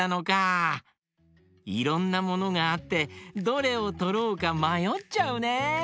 いろんなものがあってどれをとろうかまよっちゃうね！